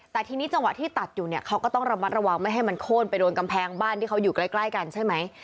แต่ทีนี้จังหวะที่ตัดอยู่เนี่ยเขาก็ต้องระมัดระวังไม่ให้มันโค้นไปโดนกำแพงบ้านที่เขาอยู่ใกล้กันใช่ไหม